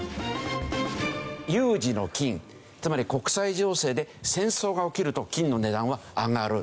つまり国際情勢で戦争が起きると金の値段は上がる。